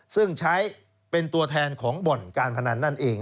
ซึ่งใช้เป็นตัวแทนของบ่อนการพนันนั่นเอง